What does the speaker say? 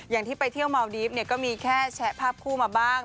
อย่างที่ไปเที่ยวเมาดีฟเนี่ยก็มีแค่แชะภาพคู่มาบ้าง